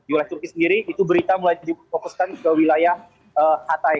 oleh turki sendiri itu berita mulai difokuskan ke wilayah hatai